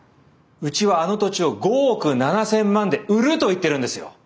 うちはあの土地を５億７，０００万で売ると言ってるんですよ。